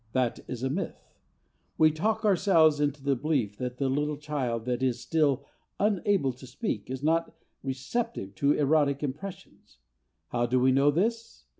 That is a myth. We talk ourselves into the belief that the little child that is still unable to speak is not receptive to erotic impressions. How do we know this?